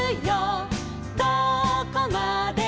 どこまでも」